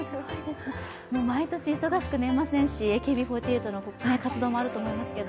毎年忙しく年末年始、ＡＫＢ４８の活動もあると思いますけど。